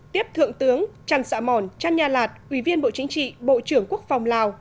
tiếp thượng tướng trần sạ mòn trăn nha lạt ủy viên bộ chính trị bộ trưởng quốc phòng lào